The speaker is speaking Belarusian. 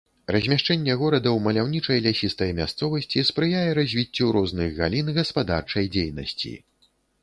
Размяшчэнне горада ў маляўнічай лясістай мясцовасці спрыяе развіццю розных галін гаспадарчай дзейнасці.